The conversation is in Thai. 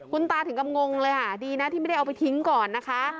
คุณตาถึงกับงงเลยค่ะดีนะที่ไม่ได้เอาไปทิ้งก่อนนะคะ